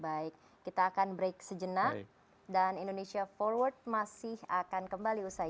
baik kita akan break sejenak dan indonesia forward masih akan kembali usai